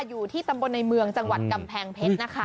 อยู่ที่ตำบลในเมืองจังหวัดกำแพงเพชรนะคะ